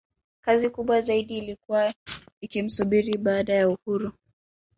Kazi kubwa zaidi ilikuwa ikimsubiri baada ya uhuru